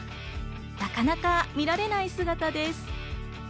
なかなか見られない姿です。